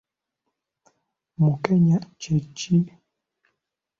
Mukenya kye ki?